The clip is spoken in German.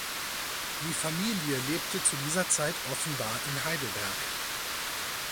Die Familie lebte zu dieser Zeit offenbar in Heidelberg.